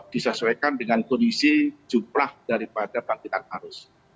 tersesuaikan dengan kondisi jumlah dari paga pengantin yang harus